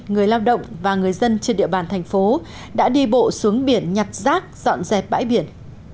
người lao động và người dân trên địa bàn thành phố đã đi bộ xuống biển nhặt rác dọn dẹp bãi biển